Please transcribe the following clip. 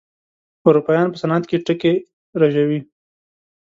اروپايان په صنعت کې ټکي رژوي.